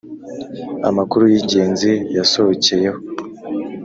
Amakuru y Ingenzi yasohokeyeho